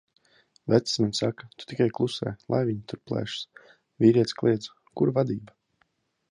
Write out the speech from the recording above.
Vecis man saka: "Tu tikai klusē, lai viņa tur plēšas." Vīrietis kliedz: "Kur vadība?"